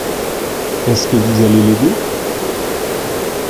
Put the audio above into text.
Est-ce que vous allez l’aider ?